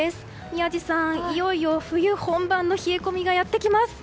宮司さん、いよいよ冬本番の冷え込みがやってきます。